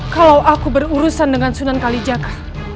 kalau aku berurusan dengan sunan kalijaga